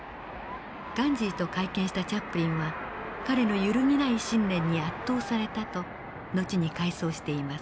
ガンジーと会見したチャップリンは彼の揺るぎない信念に圧倒されたと後に回想しています。